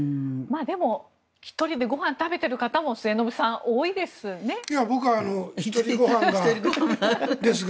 でも、１人でご飯を食べている方も僕は１人ご飯ですが。